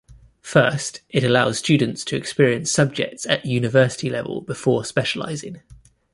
First, it allows students to experience subjects at university level before specialising.